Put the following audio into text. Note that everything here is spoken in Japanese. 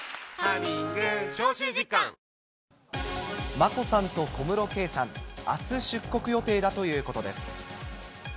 眞子さんと小室圭さん、あす出国予定だということです。